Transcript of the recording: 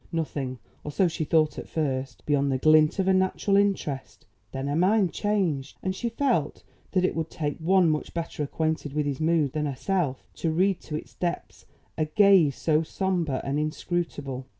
Nothing, or so she thought at first, beyond the glint of a natural interest; then her mind changed, and she felt that it would take one much better acquainted with his moods than herself to read to its depths a gaze so sombre and inscrutable.